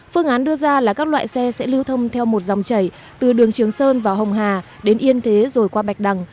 phương án đưa ra là các loại xe sẽ lưu thông theo một dòng chảy từ đường trường sơn vào hồng hà đến yên thế rồi qua bạch đằng